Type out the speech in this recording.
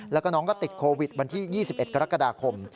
แล้วก็น้องก็ติดโควิดวันที่๒๑กรกฎาคม